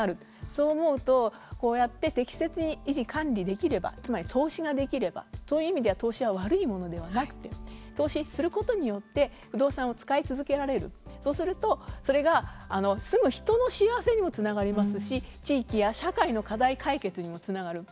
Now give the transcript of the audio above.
そう思うと、こうやって適切に維持管理できればつまり、投資ができればそういう意味では投資は悪いものではなくて投資することによって不動産を使い続けられるそうすると、それが住む人の幸せにもつながりますし地域や社会の課題解決にもつながる。